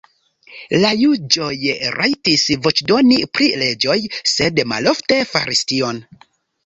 La juĝoj rajtis voĉdoni pri leĝoj, sed malofte faris tion.